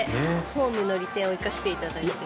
ホームの利点を生かしていただいて。